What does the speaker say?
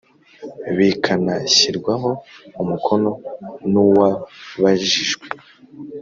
bikanashyirwaho umukono n uwabajijwe